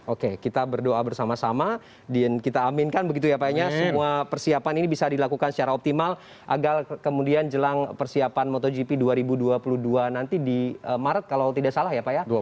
oke kita berdoa bersama sama dan kita aminkan begitu ya pak ya semua persiapan ini bisa dilakukan secara optimal agar kemudian jelang persiapan motogp dua ribu dua puluh dua nanti di maret kalau tidak salah ya pak ya